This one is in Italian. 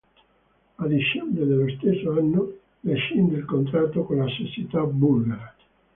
A dicembre dello stesso anno rescinde il contratto con la società bulgara.